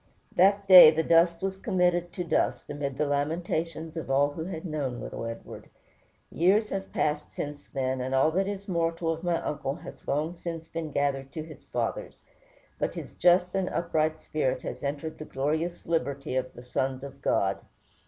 That day the dust was committed to dust, amid the lamentations of all who had known little Edward. Years have passed since then, and all that is mortal of my uncle has long since been gathered to his fathers; but his just and upright spirit has entered the glorious liberty of the sons of God.